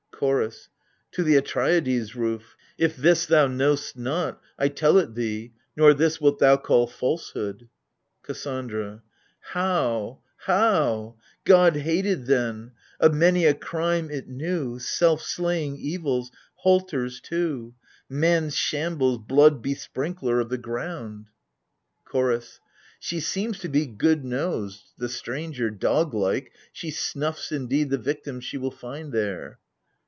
CHOROS. To the Atreidai's roof: if this thou know'st not, I tell it thee, nor this wilt thou call falsehood. KASSANDRA. How ! How ! God hated, then ! Of many a crime it knew — Self slaying evils, halters too : Man's shambles, blood besprinkler of the ground ! AGAMEMNON, ' 8^ CHOROS. \ She seems to be good nosed, the stranger : dog like, She sn lifts indeed the victims she will find there.